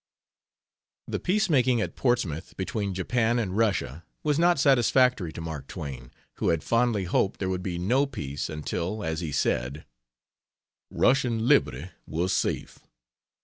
The peace making at Portsmouth between Japan and Russia was not satisfactory to Mark Twain, who had fondly hoped there would be no peace until, as he said, "Russian liberty was safe.